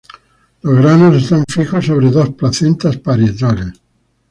Los granos están fijos sobre dos placentas parietales.